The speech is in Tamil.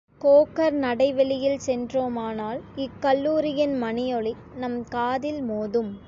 கோக்கர் நடைவெளியில் சென்றோமானால் இக்கல்லூரியின் மணியொலி நம் காதில் மோதும்.